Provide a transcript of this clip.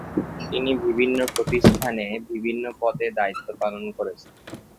তিনি বিভিন্ন প্রতিষ্ঠানে বিভিন্ন পদে দায়িত্ব পালন করেছেন।